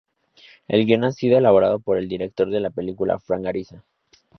El guión ha sido elaborado por el director de la película, Frank Ariza.